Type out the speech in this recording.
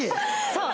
そう！